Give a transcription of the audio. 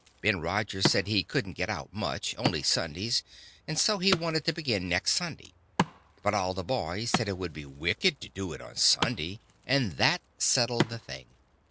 Ben Rogers said he couldn't get out much, only Sundays, and so he wanted to begin next Sunday; but all the boys said it would be wicked to do it on Sunday, and that settled the thing.